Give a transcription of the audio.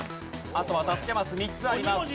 あとは助けマス３つあります。